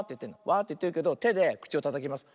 「わ」っていってるけどてでくちをたたきます。